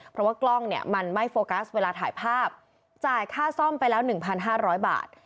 เพราะว่ากล้องเนี่ยมันไม่โฟกัสเวลาถ่ายภาพจ่ายค่าซ่อมไปแล้ว๑๕๐๐บาท